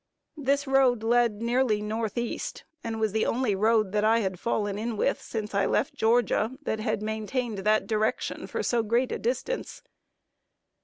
This road led nearly northeast, and was the only road that I had fallen in with, since I left Georgia, that had maintained that direction for so great a distance.